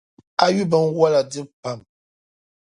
N yu binwola dibu pam.